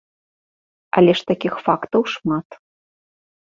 Але ж такіх фактаў шмат.